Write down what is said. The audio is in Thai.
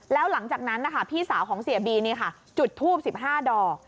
แล้วหลังจากนั้นพี่สาวของเสียบีจุดทูบสิบห้าดอก